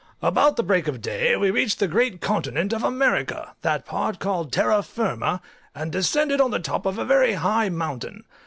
About the break of day we reached the great continent of America, that part called Terra Firma, and descended on the top of a very high mountain.